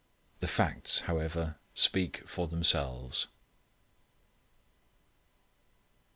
The facts, however, speak for themselves.